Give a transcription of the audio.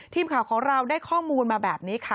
ทีมข่าวของเราได้ข้อมูลมาแบบนี้ค่ะ